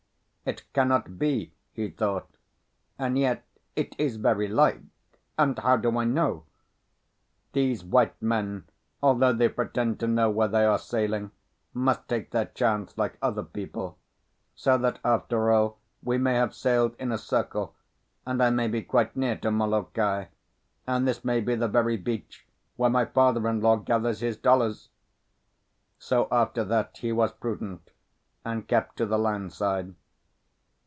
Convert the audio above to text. "It cannot be," he thought, "and yet it is very like. And how do I know? These white men, although they pretend to know where they are sailing, must take their chance like other people. So that after all we may have sailed in a circle, and I may be quite near to Molokai, and this may be the very beach where my father in law gathers his dollars." So after that he was prudent, and kept to the land side.